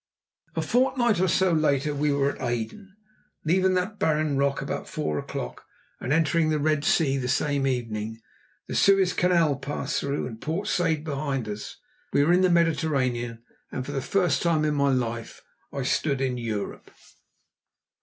A fortnight or so later we were at Aden, leaving that barren rock about four o'clock, and entering the Red Sea the same evening. The Suez Canal passed through, and Port Said behind us, we were in the Mediterranean, and for the first time in my life I stood in Europe.